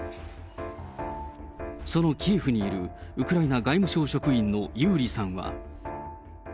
そのキエフにいるウクライナ外務省職員のユーリさんは。